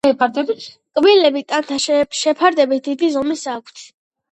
კბილები ტანთან შეფარდებით დიდი ზომის აქვთ.